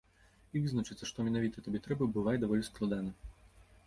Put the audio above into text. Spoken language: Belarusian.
І вызначыцца, што менавіта табе трэба, бывае даволі складана.